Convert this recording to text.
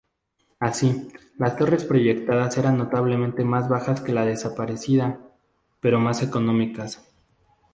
Así, las torres proyectadas eran notablemente más bajas que la desaparecida, pero más económicas.